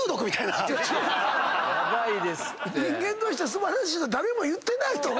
「人間として素晴らしい」なんて誰も言ってないと思う。